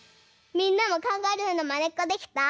みんなもカンガルーのまねっこできた？